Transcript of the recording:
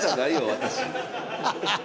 私。